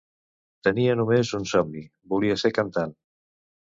Tenia només un somni: volia ser cantant.